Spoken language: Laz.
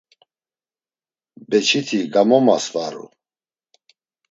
Beçiti gamomasvaru.